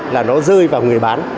là nó rơi vào người bán